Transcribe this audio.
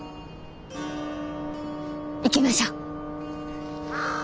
行きましょう！